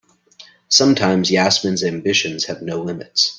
Sometimes Yasmin's ambitions have no limits.